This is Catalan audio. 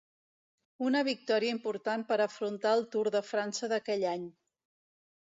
Una victòria important per afrontar el Tour de França d'aquell any.